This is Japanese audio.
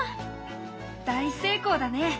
大成功だね！